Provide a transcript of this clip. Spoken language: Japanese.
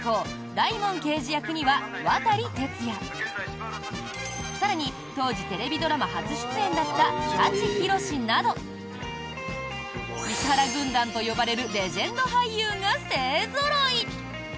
大門刑事役には渡哲也更に当時テレビドラマ初出演だった舘ひろしなど石原軍団と呼ばれるレジェンド俳優が勢ぞろい。